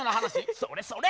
それそれ！